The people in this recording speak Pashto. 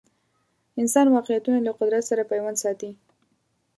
انسان واقعیتونه له قدرت سره پیوند ساتي